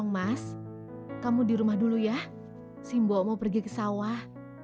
keong mas kamu di rumah dulu ya si mbok mau pergi ke sawah